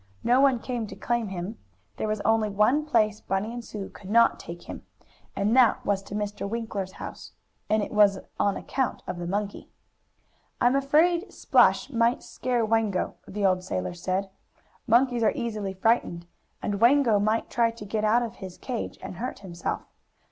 No one came to claim him. There was only one place Bunny and Sue could not take him, and that was to Mr. Winkler's house, and it was on account of the monkey. "I'm afraid Splash might scare Wango," the old sailor said. "Monkeys are easily frightened, and Wango might try to get out of his cage and hurt himself.